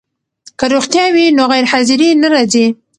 که روغتیا وي نو غیرحاضري نه راځي.